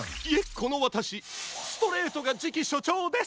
このわたしストレートがじきしょちょうです！